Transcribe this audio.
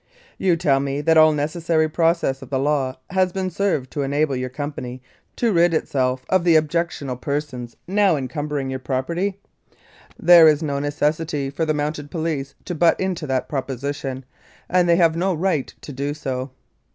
"You tell me that all the necessary process of law has been served to enable your company to rid itself of the objectionable persons now encumbering your 116 1906 14. Calgary property ? There is no necessity for the Mounted Police to butt into that proposition, and they have no right to do so.